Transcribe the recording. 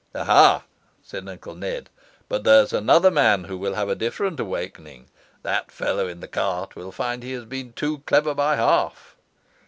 'Aha!' said Uncle Ned, 'but there's another man who will have a different awakening. That fellow in the cart will find he has been too clever by half.